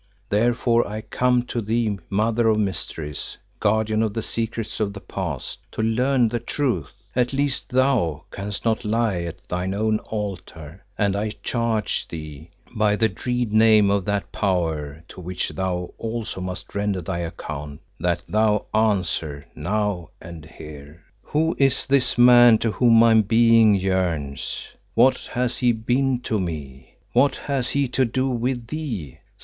Therefore I come to thee, Mother of Mysteries, Guardian of the secrets of the past, to learn the truth. At least thou canst not lie at thine own altar, and I charge thee, by the dread name of that Power to which thou also must render thy account, that thou answer now and here. "Who is this man to whom my being yearns? What has he been to me? What has he to do with thee?